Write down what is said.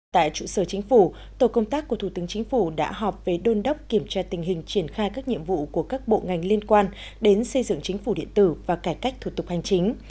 tại trụ sở chính phủ tổ công tác của thủ tướng chính phủ đã họp về đôn đốc kiểm tra tình hình triển khai các nhiệm vụ của các bộ ngành liên quan đến xây dựng chính phủ điện tử và cải cách thủ tục hành chính